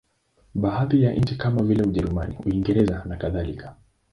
Baadhi ya nchi kama vile Ujerumani, Uingereza nakadhalika.